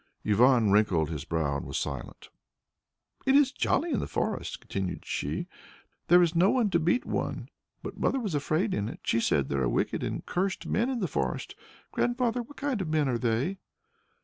Ivan wrinkled his brow and was silent. "It is jolly in the forest," continued she. "There is no one to beat one. But mother was afraid in it. She said there were wicked and cursed men in the forest. Grandfather, what kind of men are they?"